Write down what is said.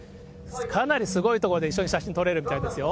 かなりすごい所で一緒に写真を撮れるみたいですよ。